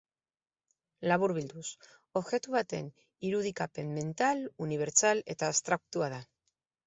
Laburbilduz, objektu baten irudikapen mental, unibertsal eta abstraktua da.